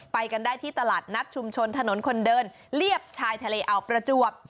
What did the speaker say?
ไปกันได้ที่ตลาดนัดชุมชนถนนคนเดินเรียบชายทะเลอาวประจวบ